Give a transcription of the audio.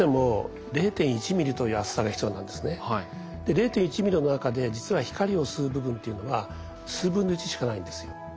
０．１ミリの中で実は光を吸う部分っていうのは数分の１しかないんですよ。